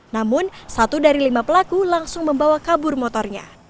namun satu dari lima pelaku langsung membawa kabur motornya